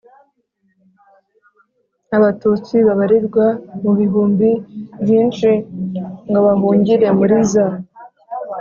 Abatutsi babarirwa mu bihumbi byinshi ngo bahungire muri za